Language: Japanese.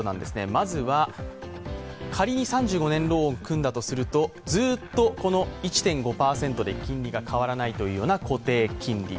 まずは仮に３５年ローンを組んだとするとずっと１．５％で金利が変わらないというような固定金利。